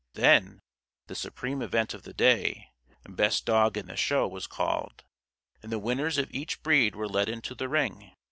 Then, the supreme event of the day "Best dog in the show" was called. And the winners of each breed were led into the ring.